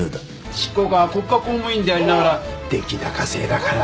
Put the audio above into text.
執行官は国家公務員でありながら出来高制だから。